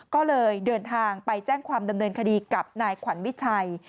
ก็เลยเดินทางไปแจ้งความดำเนินคดีกับนายขวัญวิชัย